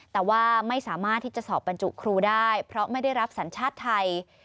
แต่ว่าไม่สามารถที่จะสอบบรรจุครูได้เพราะไม่ได้รับสัญชาติไทย